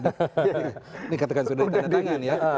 saya katakan sudah di tanda tangan ya